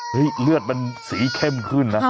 เลือดมันสีเข้มขึ้นนะ